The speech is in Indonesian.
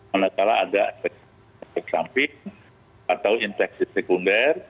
manakala ada efek samping atau infeksi sekunder